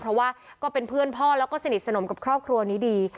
เพราะว่าก็เป็นเพื่อนพ่อแล้วก็สนิทสนมกับครอบครัวนี้ดี